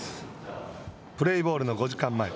プレーボールの５時間前。